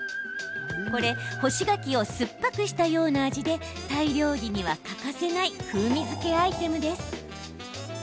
干し柿を酸っぱくしたような味でタイ料理には欠かせない風味づけアイテムです。